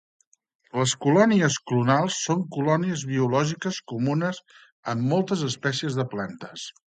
Les colònies clonals són colònies biològiques comunes en moltes espècies de plantes.